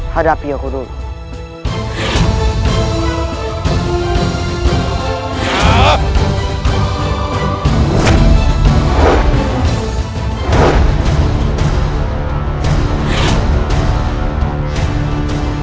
hadapi aku dulu